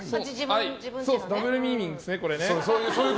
ダブルミーニングですね。